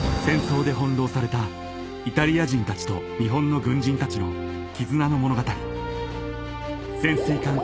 ［戦争で翻弄されたイタリア人たちと日本の軍人たちの絆の物語］